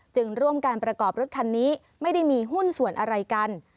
ร่วมการประกอบรถคันนี้ไม่ได้มีหุ้นส่วนอะไรกัน